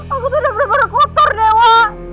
aku tuh udah bener bener kotor dewa